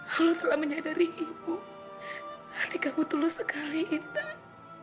halo telah menyadari ibu hati kamu tulus sekali intan